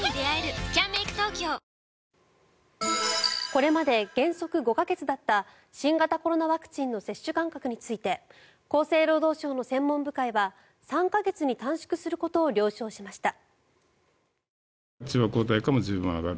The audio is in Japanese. これまで原則５か月だった新型コロナワクチンの接種間隔について厚生労働省の専門部会は３か月に短縮することを了承しました。